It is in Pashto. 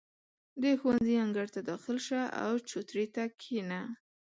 • د ښوونځي انګړ ته داخل شه، او چوترې ته کښېنه.